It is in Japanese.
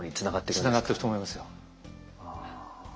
つながってると思いますよ。